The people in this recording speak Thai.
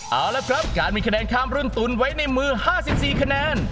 เอาละครับการมีคะแนนข้ามรุ่นตุ๋นไว้ในมือ๕๔คะแนน